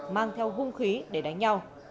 mang theo hung khí để đánh nhau